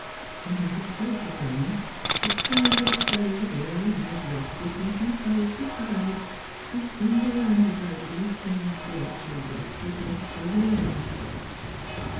She never spoke again, but turned her poor weary head restlessly from side to side, and flung her arms about with the same dreadful restlessness till the end.